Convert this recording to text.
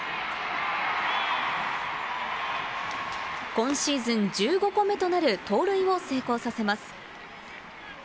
今シーズン１５個目となる盗塁を成功させます。